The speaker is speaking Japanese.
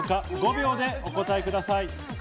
５秒でお答えください。